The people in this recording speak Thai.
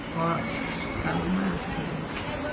ขอขอขอ